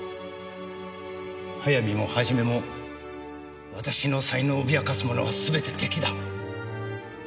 早見も元も私の才能を脅かす者は全て敵だ。